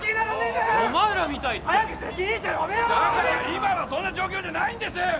だから今はそんな状況じゃないんです。